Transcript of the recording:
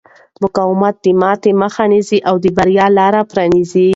مقاومت د ماتې مخه نیسي او د بریا لارې پرانیزي.